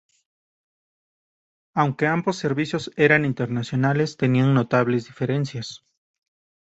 Aunque ambos servicios eran internacionales tenían notables diferencias.